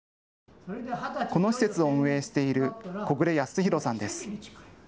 この施設を運営している小暮康弘さんです。